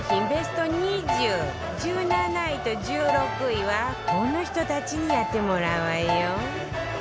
ベスト２０１７位と１６位はこの人たちにやってもらうわよ